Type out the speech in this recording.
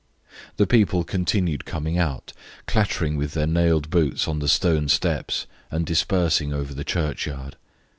The people continued coming out, clattering with their nailed boots on the stone steps and dispersing over the churchyard.